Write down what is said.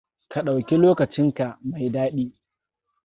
Ka ɗauki lokacin ka mai daɗi.